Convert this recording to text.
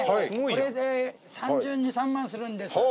これで３２３３万するんです。